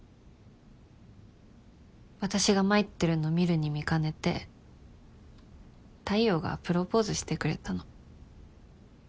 私が参ってるの見るに見かねて太陽がプロポーズしてくれたの。